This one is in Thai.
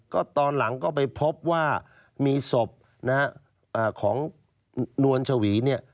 ก็ตอนหลังก็ไปพบว่ามีศพนะฮะของนวลชวีเนี่ย